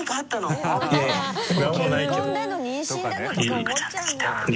結婚だの妊娠だのとか思っちゃうよ。